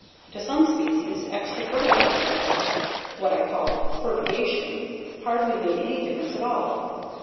To some species, extra fertilized water (what I call "fertigation") hardly made any difference at all.